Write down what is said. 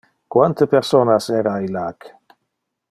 Quante personas era illac?